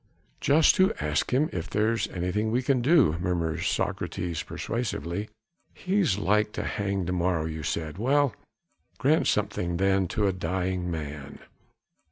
"Just to ask him if there's anything we can do," murmurs Socrates persuasively. "He's like to hang to morrow, you said, well! grant something then to a dying man."